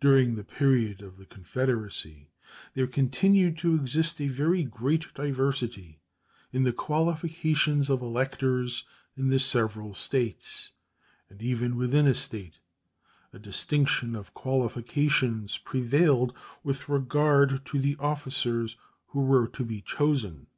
During the period of the Confederacy there continued to exist a very great diversity in the qualifications of electors in the several States, and even within a State a distinction of qualifications prevailed with regard to the officers who were to be chosen.